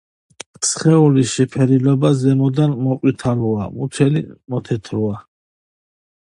სხეულის შეფერილობა ზემოდან მოყვითალოა, მუცელი მოთეთროა.